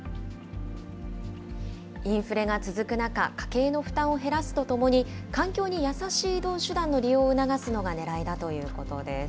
インフレが続く中、家計の負担を減らすとともに、環境に優しい移動手段の利用を促すのがねらいだということです。